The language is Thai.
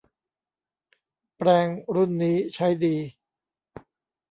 แปรงรุ่นนี้ใช้ดี